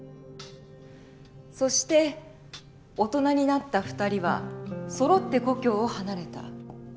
そして大人になった２人はそろって故郷を離れた。